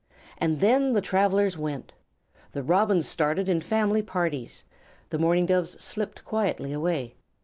And then the travellers went. The Robins started in family parties. The Mourning Doves slipped quietly away.